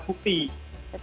bagaimana menyimpan barang